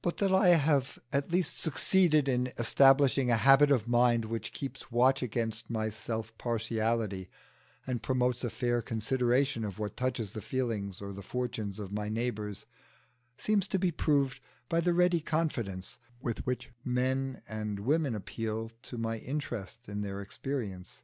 But that I have at least succeeded in establishing a habit of mind which keeps watch against my self partiality and promotes a fair consideration of what touches the feelings or the fortunes of my neighbours, seems to be proved by the ready confidence with which men and women appeal to my interest in their experience.